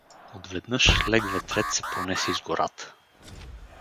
Отведнъж лек ветрец се понесе из гората.